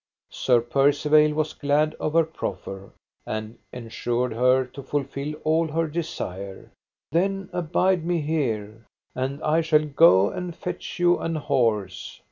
Sir Percivale was glad of her proffer, and ensured her to fulfil all her desire. Then abide me here, and I shall go and fetch you an horse.